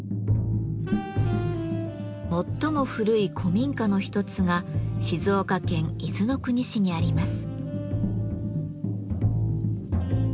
最も古い古民家の一つが静岡県伊豆の国市にあります。